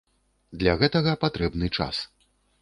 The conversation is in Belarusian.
Для гэтага патрэбны час.